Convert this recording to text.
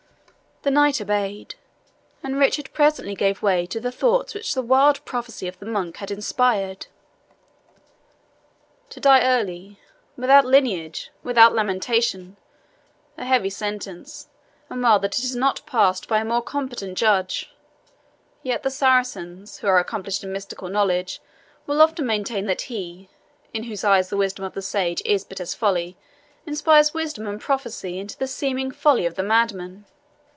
The knight obeyed, and Richard presently gave way to the thoughts which the wild prophecy of the monk had inspired. "To die early without lineage without lamentation! A heavy sentence, and well that it is not passed by a more competent judge. Yet the Saracens, who are accomplished in mystical knowledge, will often maintain that He, in whose eyes the wisdom of the sage is but as folly, inspires wisdom and prophecy into the seeming folly of the madman.